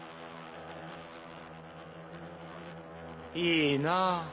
いいなぁ。